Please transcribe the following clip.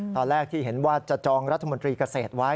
ตอนแรกที่เห็นว่าจะจองรัฐมนตรีเกษตรไว้